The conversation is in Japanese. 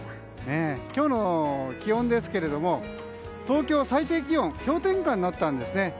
今日の気温ですけれども東京は最低気温が氷点下になったんですね。